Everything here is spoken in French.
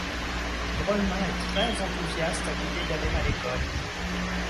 Drolma est très enthousiaste à l'idée d'aller à l'école.